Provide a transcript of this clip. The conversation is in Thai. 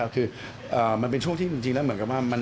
คือมันเป็นช่วงที่จริงแล้วเหมือนกับว่า